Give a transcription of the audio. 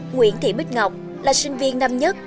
nguyễn thị bích ngọc là sinh viên năm nhất